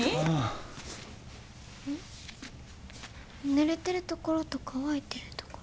ぬれてるところと乾いてるところが。